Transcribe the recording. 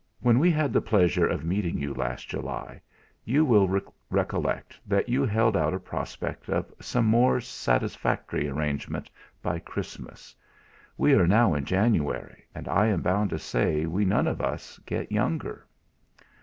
When we had the pleasure of meeting you last July, you will recollect that you held out a prospect of some more satisfactory arrangement by Christmas. We are now in January, and I am bound to say we none of us get younger."